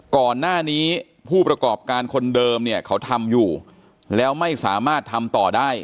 ก่อนหน้านี้ผู้ประกอบการคนเดิมเนี่ยเขาทำอยู่แล้วไม่สามารถทำต่อได้